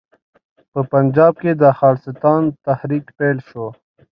په پنجاب کې د خالصتان تحریک پیل شو.